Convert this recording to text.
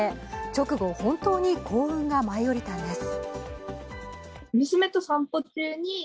直後、本当に幸運が舞い降りたんです。